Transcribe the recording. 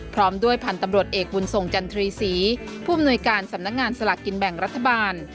พร้อมด้วยพันธุ์ตำรวจเอกบุญทรงจันทรีศรีผู้อำนวยการสำนักงานสลากกินแบ่งรัฐบาล